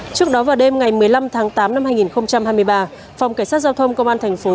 trước đó vào đêm ngày một mươi năm tháng tám năm hai nghìn hai mươi ba phòng cảnh sát giao thông công an thành phố